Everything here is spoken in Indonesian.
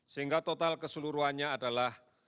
sehingga total keseluruhan orang itu adalah